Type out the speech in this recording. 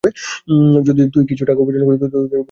যদি তুই কিছু টাকা উপার্জন করিস, তো বস্তিতে একটা ঝুপড়ি কিনবি।